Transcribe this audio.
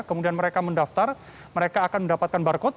kemudian mereka mendaftar mereka akan mendapatkan barcode